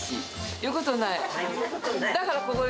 言うことない。